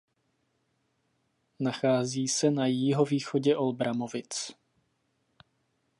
Nachází se na jihovýchodě Olbramovic.